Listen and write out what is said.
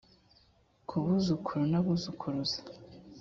ku buzukuru n abuzukuruza